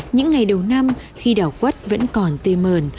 những ngày đầu năm khi đảo quất vẫn còn tê mờn